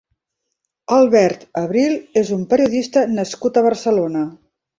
Albert Abril és un periodista nascut a Barcelona.